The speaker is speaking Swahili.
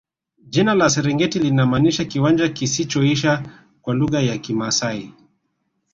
jina la serengeti linamaanisha kiwanja kisichoisha kwa lugha ya kimaasai